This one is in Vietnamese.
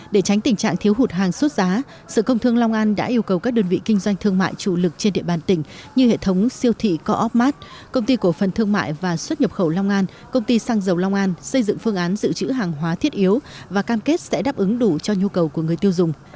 để tránh tình trạng thiếu hụt hàng xuất giá sở công thương long an đã yêu cầu các đơn vị kinh doanh thương mại chủ lực trên địa bàn tỉnh như hệ thống siêu thị co op mart công ty cổ phần thương mại và xuất nhập khẩu long an công ty xăng dầu long an xây dựng phương án dự trữ hàng hóa thiết yếu và cam kết sẽ đáp ứng đủ cho nhu cầu của người tiêu dùng